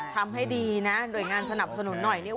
ทำให้ดีนะโดยงานสนับสนุนหน่อย